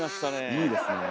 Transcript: いいですね。